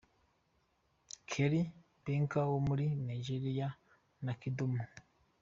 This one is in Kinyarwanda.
Kelly, Banky W wo muri Nigeria na Kidumu.